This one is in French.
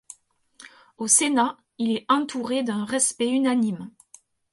Au Sénat, il est entouré d'un respect unanime.